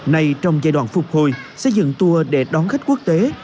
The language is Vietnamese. này trong giai đoạn phục hồi xây dựng tour để đón khách quốc tế